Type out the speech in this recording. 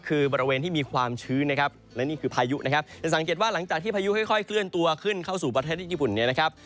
คือบริเวณที่มีความชื้นนะครับและนี่คือพายุนะครับจะสังเกตว่าหลังจากที่พายุค่อยเคลื่อนตัวขึ้นเข้าสู่ประเทศญี่ปุ่นเนี่ยนะครับ